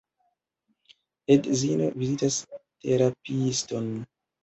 Edzino vizitas terapiiston.